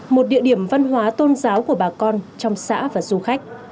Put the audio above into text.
một địa điểm văn hóa tôn giáo của bà con trong xã và du khách